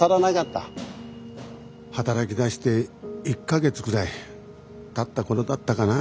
働きだして１か月くらいたった頃だったかな。